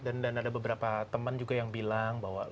dan ada beberapa teman juga yang bilang bahwa